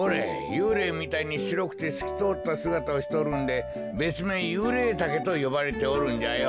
ゆうれいみたいにしろくてすきとおったすがたをしとるんでべつめいユウレイタケとよばれておるんじゃよ。